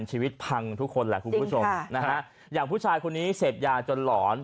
ชีวิตพังทุกคนแหละคุณผู้ชมนะฮะอย่างผู้ชายคนนี้เสพยาจนหลอน